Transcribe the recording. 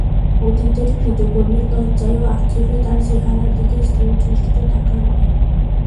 অতীতের কৃতকর্মের লজ্জায় ও আক্ষেপে তার চেহারার দিকে স্থির দৃষ্টিতে তাকাননি।